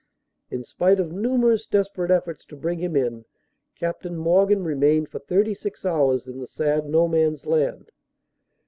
In spite of numerous desper ate efforts to bring him in, Capt. Morgan remained for 36 hours in the sad No Man s Land.